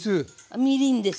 みりんです。